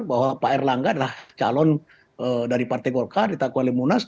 bahwa pak erlangga adalah calon dari partai golkar ditakwa oleh munas